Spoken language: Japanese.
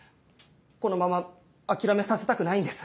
このまま諦めさせたくないんです。